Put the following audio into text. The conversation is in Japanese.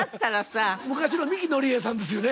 昔の三木のり平さんですよね。